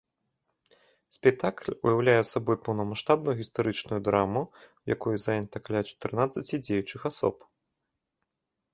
Спектакль уяўляе сабой поўнамаштабную гістарычную драму, у якой занята каля чатырнаццаці дзеючых асоб.